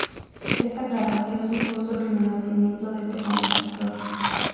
Esta grabación supuso el renacimiento de este compositor.